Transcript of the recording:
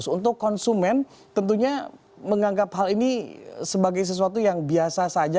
untuk konsumen tentunya menganggap hal ini sebagai sesuatu yang biasa saja